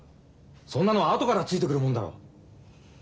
そんなの後からついてくるもんだろ。